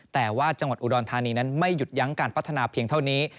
แต่ว่าจังหวัดอุดรธานีนั้นไม่หยุดยั้งการพัฒนาเพียงเท่านี้